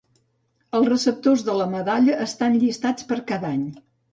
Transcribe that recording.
Els receptors de la medalla estan llistats per cada any.